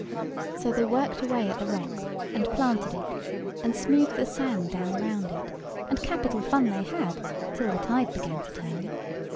So they worked away at the rock, and planted it, and smoothed the sand down round, it, and capital fun they had till the tide began to turn.